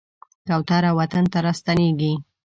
کوتره وطن ته راستنېږي.